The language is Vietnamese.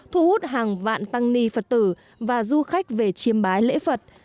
thu hút hàng vạn tăng ni phật tử và du khách về chiêm bái lễ phật